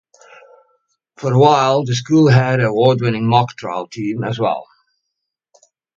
For a while, the school had an award winning mock trial team as well.